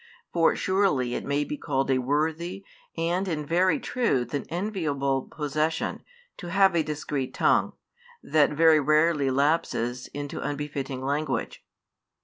For surely it may be called a worthy and in very truth an enviable possession, to have a discreet tongue, that very rarely lapses into unbefitting language.